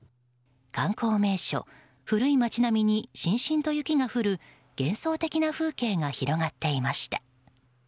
観光名所、古い町並みにしんしんと雪が降る幻想的な風景が広がっていました。